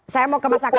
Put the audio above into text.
saya mau ke mas akmal